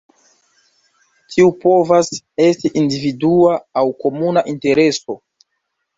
Tiu povas esti individua aŭ komuna intereso.